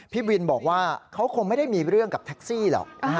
พี่บินบอกว่าเขาคงไม่ได้มีเรื่องกับแท็กซี่หรอก